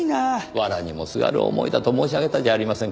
藁にもすがる思いだと申し上げたじゃありませんか。